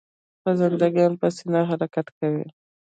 خزنده ګان په سینه حرکت کوي